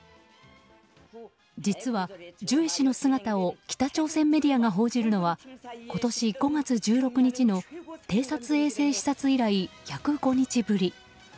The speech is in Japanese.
実は、ジュエ氏の姿を北朝鮮メディアが報じるのは今年５月１６日の偵察衛星視察以来、１０５日ぶり。